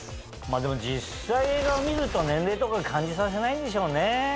でも実際映画を見ると年齢とか感じさせないんでしょうね。